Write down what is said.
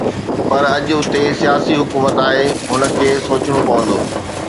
پر اڄ اتي سياسي حڪومت آهي“ هن کي سوچڻو پوندو